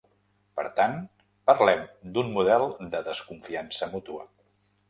Per tant, parlem d’un model de desconfiança mútua.